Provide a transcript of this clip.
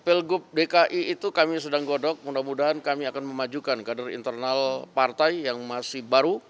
pilgub dki itu kami sedang godok mudah mudahan kami akan memajukan kader internal partai yang masih baru